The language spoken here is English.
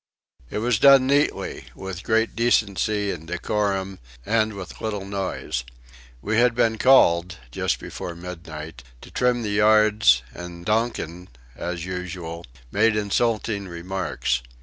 It was done neatly, with great decency and decorum, and with little noise. We had been called just before midnight to trim the yards, and Donkin as usual made insulting remarks.